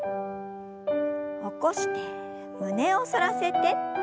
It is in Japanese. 起こして胸を反らせて。